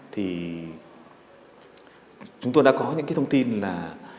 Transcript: thì chúng tôi đã có những thông tin là